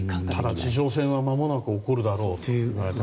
ただ地上戦はまもなく起こるだろうと。